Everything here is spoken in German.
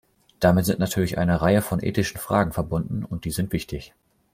Damit sind natürlich eine Reihe von ethischen Fragen verbunden, und die sind wichtig.